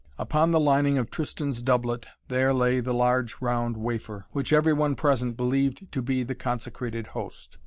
Upon the lining of Tristan's doublet there lay the large round wafer, which every one present believed to be the consecrated Host.